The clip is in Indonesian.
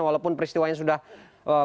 walaupun peristiwanya sudah berubah